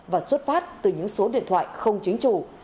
và xuất phát từ những số điện thoại không chính chủ